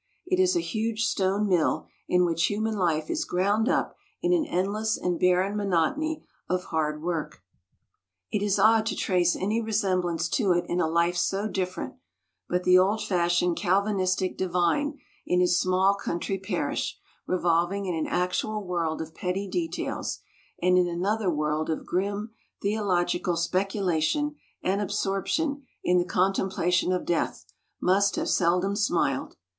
It is a huge stone mill in which human life is ground up in an endless and barren monotony of hard work. It is odd to trace any resemblance to it in a life so different; but the old fashioned Calvinistic divine in his small country parish, revolving in an actual world of petty details, and in another world of grim theological speculation and absorption in the contemplation of death, must have seldom smiled.